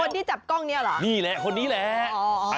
ที่จับกล้องเนี่ยเหรอนี่แหละคนนี้แหละ